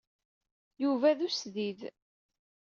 Yuba d usdid.